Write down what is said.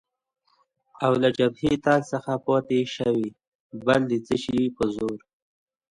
او له جبهې تګ څخه پاتې شوې، بل د څه شي په زور؟